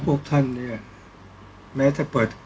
ก็ต้องทำอย่างที่บอกว่าช่องคุณวิชากำลังทำอยู่นั่นนะครับ